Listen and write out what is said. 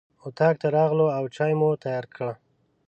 اطاق ته راغلو او چای مو تیار کړ.